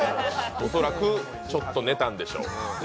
恐らく、ちょっと寝たんでしょう。